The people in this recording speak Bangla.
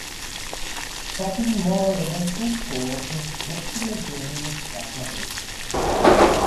শপিং মল এবং ফুড কোর্ট দক্ষিণের জোনে রাখা হয়েছে।